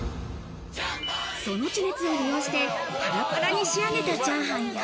その地熱を利用して、パラパラに仕上げたチャーハンや。